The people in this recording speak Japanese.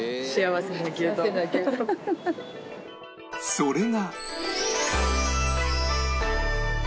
それが